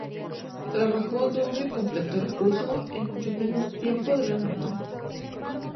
Trabajó duro y completó el curso en mucho menos tiempo de lo normal.